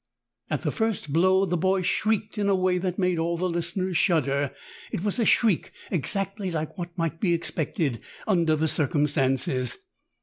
At the first blow the boy shrieked in a way that made all the listeners shudder; it was a ) shriek exactly like what might be expected under th e circumstances.